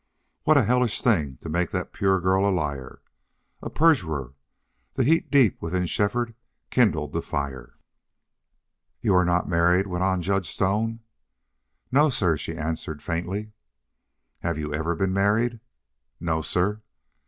What a hellish thing to make that pure girl a liar a perjurer! The heat deep within Shefford kindled to fire. "You are not married?" went on Judge Stone. "No, sir," she answered, faintly. "Have you ever been married?" "No, sir."